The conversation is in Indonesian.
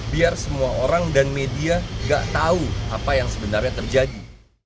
biar semua orang dan media gak tahu apa yang sebenarnya terjadi